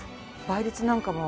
倍率なんかも。